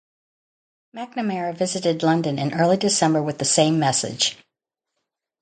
McNamara visited London in early December with the same message.